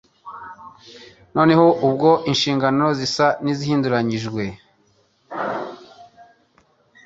Noneho ubwo inshingano zisa n'izihinduranyijwe,